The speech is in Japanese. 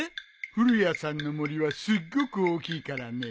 古谷さんの森はすっごく大きいからね。